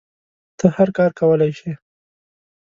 ته هر کار کولی شی